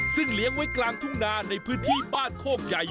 ซึ่งเลี้ยงไว้กลางทุ่งนาในพื้นที่บ้านโคกใหญ่